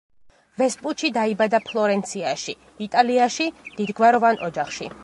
ვესპუჩი დაიბადა ფლორენციაში, იტალიაში, დიდგვაროვან ოჯახში.